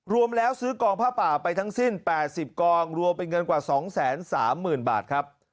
รวมแล้วซื้อกองผ้าป่าไปทั้งสิ้น๘๐กองรวมเป็นเงินกว่า๒๓๐๐๐บาทครับ